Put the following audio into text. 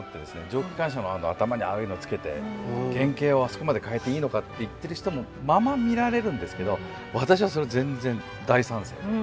蒸気機関車の頭にああいうのをつけて原型をあそこまで変えていいのかって言ってる人もまま見られるんですけど私はそれ全然大賛成。